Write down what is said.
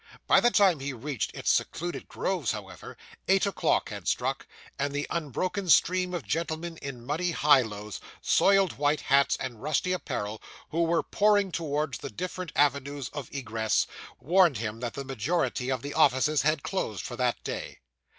By the time he reached its secluded groves, however, eight o'clock had struck, and the unbroken stream of gentlemen in muddy high lows, soiled white hats, and rusty apparel, who were pouring towards the different avenues of egress, warned him that the majority of the offices had closed for that day.